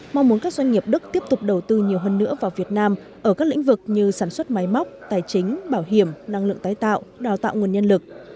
mong muốn các doanh nghiệp đức tiếp tục đầu tư nhiều hơn nữa vào việt nam ở các lĩnh vực như sản xuất máy móc tài chính bảo hiểm năng lượng tái tạo đào tạo nguồn nhân lực